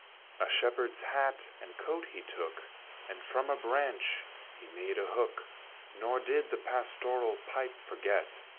A Shepherd's hat and coat he took, And from a branch he made a hook; Nor did the pastoral pipe forget.